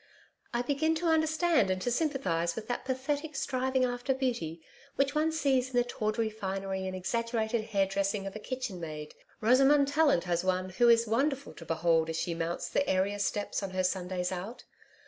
I begin to understand and to sympathise with that pathetic striving after beauty which one sees in the tawdry finery and exaggerated hairdressing of a kitchenmaid Rosamond Tallant has one who is wonderful to behold as she mounts the area steps on her Sundays out.